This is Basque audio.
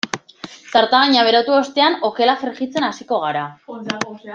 Zartagina berotu ostean okela frijitzen hasiko gara.